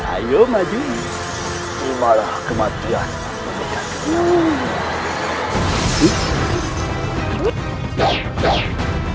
ayo maju jumalah kematian memikatmu